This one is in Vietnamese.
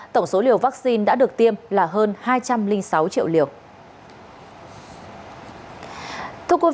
tổng số liều vaccine đã được tiêm là hơn hai trăm linh sáu triệu liều